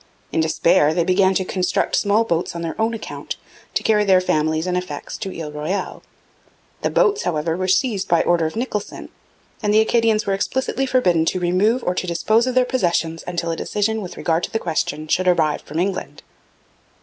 In despair they began to construct small boats on their own account, to carry their families and effects to Ile Royale. These boats, however, were seized by order of Nicholson, and the Acadians were explicitly forbidden to remove or to dispose of their possessions until a decision with regard to the question should arrive from England.